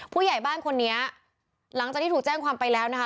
ผู้ใหญ่บ้านคนนี้หลังจากที่ถูกแจ้งความไปแล้วนะคะ